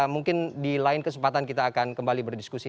mungkin di lain kesempatan kita akan kembali berdiskusi